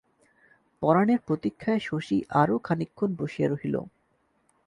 পরানের প্রতীক্ষায় শশী আরও খানিকক্ষণ বসিয়া রহিল।